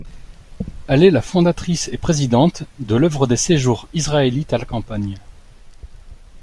Elle est la fondatrice et présidente de l'Œuvre des séjours israélites à la campagne.